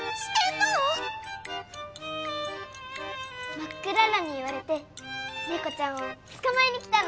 ！？マックララに言われてねこちゃんを捕まえに来たの！